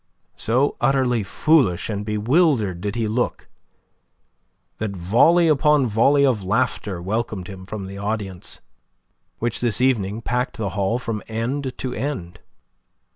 So utterly foolish and bewildered did he look that volley upon volley of laughter welcomed him from the audience, which this evening packed the hall from end to end.